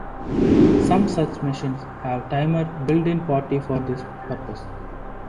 Some such machines have timers built-in partly for this purpose.